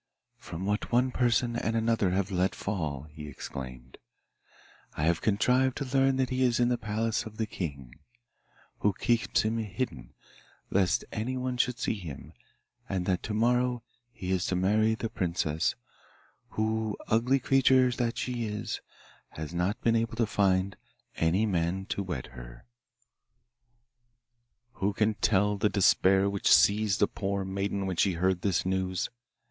'From what one person and another have let fall,' he exclaimed, 'I have contrived to learn that he is in the palace of the king, who keeps him hidden lest anyone should see him; and that to morrow he is to marry the princess, who, ugly creature that she is, has not been able to find any man to wed her.' Who can tell the despair which seized the poor maiden when she heard this news!